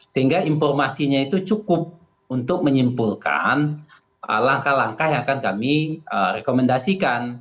sehingga informasinya itu cukup untuk menyimpulkan langkah langkah yang akan kami rekomendasikan